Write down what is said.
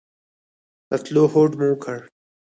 د تلو هوډ مو وکړ.